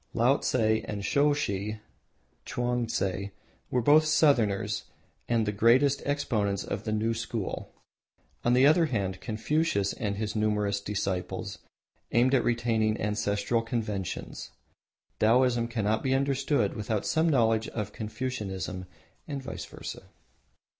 Laotse and Soshi (Chuangtse) were both Southerners and the greatest exponents of the New School. On the other hand, Confucius with his numerous disciples aimed at retaining ancestral conventions. Taoism cannot be understood without some knowledge of Confucianism and vice versa.